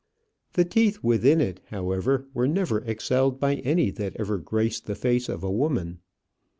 The teeth within it, however, were never excelled by any that ever graced the face of a woman.